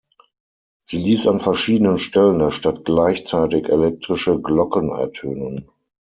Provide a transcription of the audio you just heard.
Sie ließ an verschiedenen Stellen der Stadt gleichzeitig elektrische Glocken ertönen.